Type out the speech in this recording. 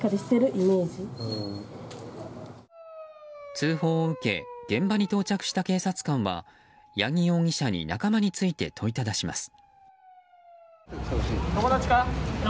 通報を受け現場に到着した警察官は八木容疑者に仲間について問いただします。